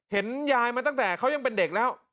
เห็นยายมาตั้งแต่เขายังเป็นเด็กแล้ว